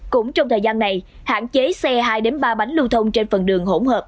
cũng trong thời gian này hạn chế xe hai ba bánh lưu thông trên phần đường hỗn hợp